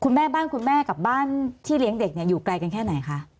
แม่บ้านคุณแม่กับบ้านที่เลี้ยงเด็กอยู่ไกลกันแค่ไหนคะ